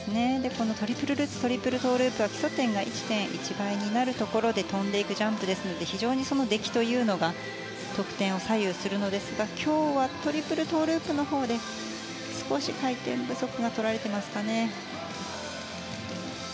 このトリプルルッツトリプルトウループは基礎点が１．１倍になるところで跳んでいくジャンプなので非常に出来というのが得点を左右するのですが今日は、トリプルトウループで少し回転不足がとられていますかね。